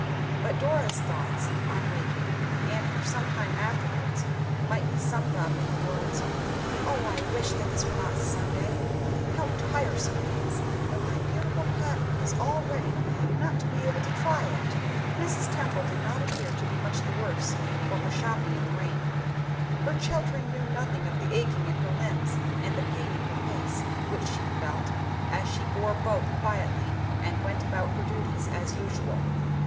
But Dora's thoughts on waking, and for some time afterwards, might be summed up in the words—"Oh, I wish that this day were not Sunday! How tiresome it is, when my beautiful pattern is all ready, not to be able to try it!" [Illustration: THE ALTAR OF INCENSE. Children's Tabernacle. chap. 6.] Mrs. Temple did not appear to be much the worse for her shopping in the rain. Her children knew nothing of the aching in her limbs and the pain in her face which she felt, as she bore both quietly and went about her duties as usual.